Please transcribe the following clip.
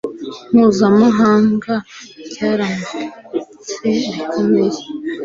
mpuzamahanga cyarazamutse bikomeye